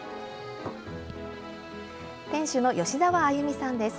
店主の吉澤あゆみさんです。